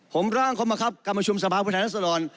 ผมร่างความบังคับการประชุมสภาพุทธนักศรรณ